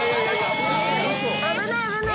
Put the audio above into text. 危ない危ない。